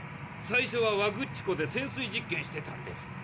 最初はワグッチ湖でせん水実験してたんです。